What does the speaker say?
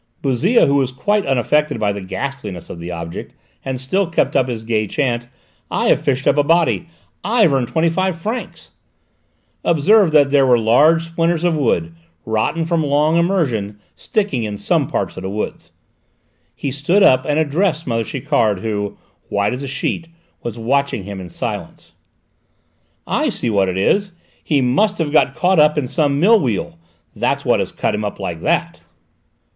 Bouzille, who was quite unaffected by the ghastliness of the object and still kept up his gay chant "I have fished up a body, I've earned twenty five francs," observed that there were large splinters of wood, rotten from long immersion, sticking in some of the wounds. He stood up and addressed mother Chiquard who, white as a sheet, was watching him in silence. "I see what it is: he must have got caught in some mill wheel: that's what has cut him up like that."